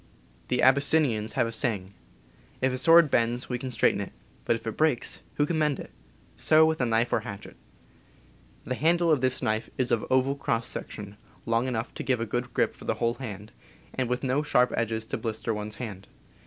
The Abyssinians have a saying, "If a sword bends, we can straighten it; but if it breaks, who can mend it ?" So with a knife or hatchet. The PERSONAL KITS 29 handle of this knife is of oval cross section, long enough to give a good grip for the whole hand, and with no sharp edges to blister one's hand.